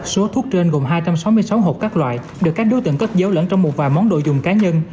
số thuốc trên gồm hai trăm sáu mươi sáu hộp các loại được các đối tượng cất dấu lẫn trong một vài món đồ dùng cá nhân